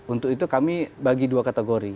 untuk itu kami bagi dua kategori